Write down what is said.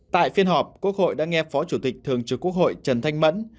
tại phiên họp quốc hội đã nghe phó chủ tịch thường trực quốc hội trần thanh mẫn